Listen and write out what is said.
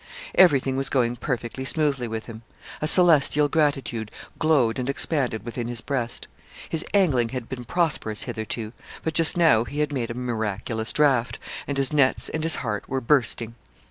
Everything was going perfectly smoothly with him. A celestial gratitude glowed and expanded within his breast. His angling had been prosperous hitherto, but just now he had made a miraculous draught, and his nets and his heart were bursting.